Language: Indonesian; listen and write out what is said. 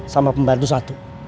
sama pembantu satu